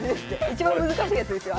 一番難しいやつですよ